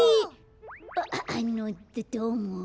ああのどどうも。